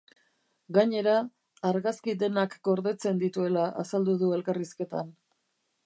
Gainera, argazki denak gordetzen dituela azaldu du elkarrizketan.